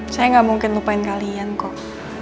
saya nggak mungkin lupain kalian kok